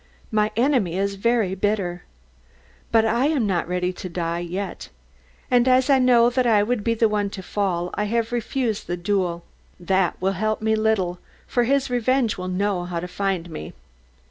My enemy is very bitter. But I am not ready to die yet. And as I know that I would be the one to fall, I have refused the duel. That will help me little, for his revenge will know how to find me.